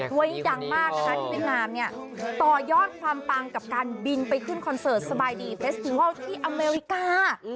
ยิ่งดังมากนะคะที่เวียดนามเนี่ยต่อยอดความปังกับการบินไปขึ้นคอนเสิร์ตสบายดีเฟสติงวัลที่อเมริกา